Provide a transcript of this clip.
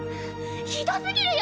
ひどすぎるよ！